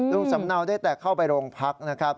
ลุงสำเนาได้แต่เข้าไปโรงพักนะครับ